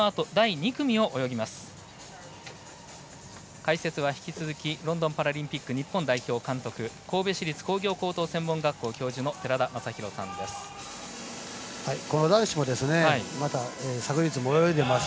解説は引き続きロンドンパラリンピック日本代表監督神戸市立工業高等専門学校教授の寺田雅裕さんです。